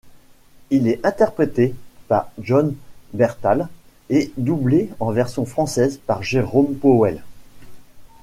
Il est interprété par Jon Bernthal et doublé en version française par Jérôme Pauwels.